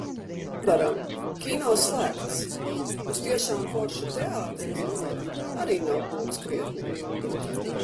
Nevaram, kino slēgts. Uz tiešām foršu teātra izrādi arī nav būts krietni ilgi.